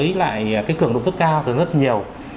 với lại cái cường độ rất cao rất nhiều